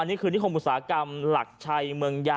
นี่คือ